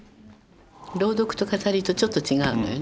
朗読と語りとちょっと違うのよね。